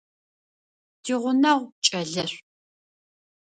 Тигъунэгъу кӏэлэшӏу.